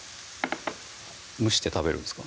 蒸して食べるんですか？